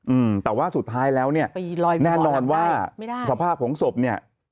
อืมแต่ว่าสุดท้ายแล้วเนี้ยแน่นอนว่าไม่ได้สภาพของศพเนี้ย